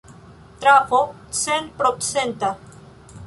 Trafo centprocenta.